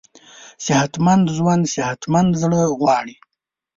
صحتمند ژوند صحتمند زړه غواړي.